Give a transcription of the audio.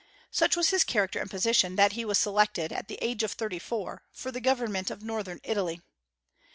Such was his character and position that he was selected, at the age of thirty four, for the government of Northern Italy.